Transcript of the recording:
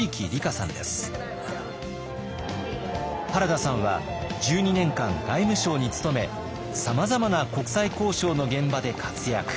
原田さんは１２年間外務省に勤めさまざまな国際交渉の現場で活躍。